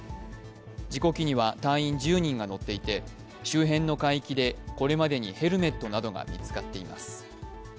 事故機には隊員１０人が乗っていて周辺の海域でこれまでにヘルメットなどが見つかっています。